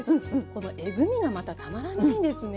このえぐみがまたたまらないですね。